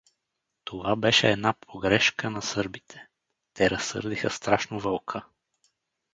Това беше една погрешка на сърбите: те разсърдиха страшно Вълка.